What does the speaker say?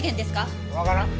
わからん。